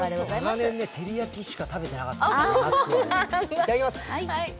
最近、照り焼きしか食べてなかった。